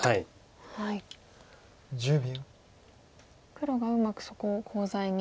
黒がうまくそこをコウ材に。